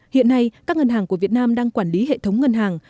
hiện nay các ngân hàng của việt nam đang quản lý hệ thống ngân hàng